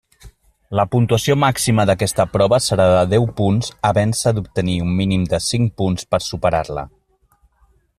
La puntuació màxima d'aquesta prova serà de deu punts havent-se d'obtenir un mínim de cinc punts per superar-la.